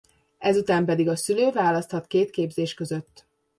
Ezután pedig a szülő választhat két képzés között.